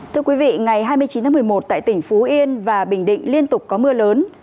thưa quý vị ngày hai mươi chín tháng một mươi một tại tỉnh phú yên và bình định liên tục có mưa lớn